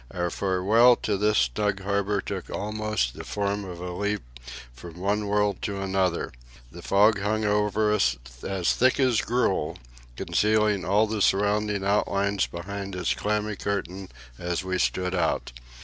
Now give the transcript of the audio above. Our farewell to this snug harbour took almost the form of a leap from one world to another; the fog hung over us as thick as gruel, concealing all the surrounding outlines behind its clammy curtain, as we stood out.